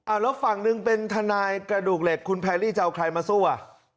แล้วฝั่งหนึ่งเป็นทนายกระดูกเหล็กคุณแพรรี่จะเอาใครมาสู้อ่ะ